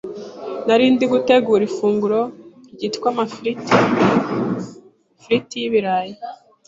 Nari ndi gutegura ifunguro ryitwa amafiriti (Fritte) y’ibirayi.